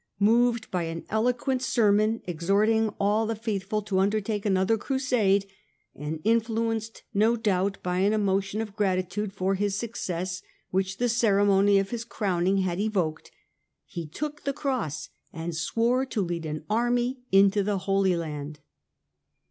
Moved by an eloquent sermon exhorting all the faithful to undertake another Crusade, and influenced no doubt by an emotion of gratitude for his success which the ceremony of his crowning had evoked, he took the Cross and swore to lead an army into the Holy Land.